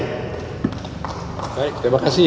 baik terima kasih